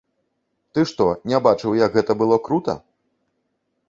Ты што не бачыў, як гэта было крута?